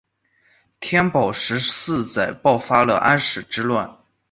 天宝十四载爆发了安史之乱。